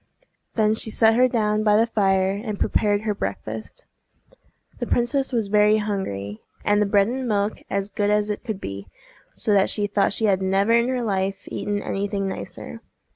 Then she set her down by the fire, and prepared her breakfast. The princess was very hungry, and the bread and milk as good as it could be, so that she thought she had never in her life eaten any thing nicer.